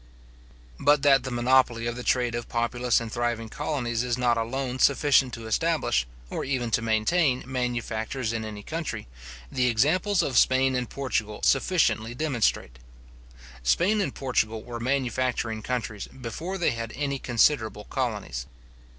But that the monopoly of the trade of populous and thriving colonies is not alone sufficient to establish, or even to maintain, manufactures in any country, the examples of Spain and Portugal sufficiently demonstrate. Spain and Portugal were manufacturing countries before they had any considerable colonies.